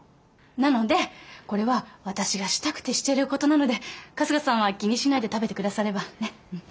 なのでこれは私がしたくてしていることなので春日さんは気にしないで食べて下さればね。